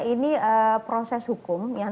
ini proses hukum yang